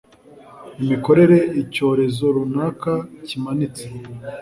imikorere, icyorezo runaka, kimanitse